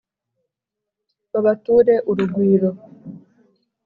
babature urugwiro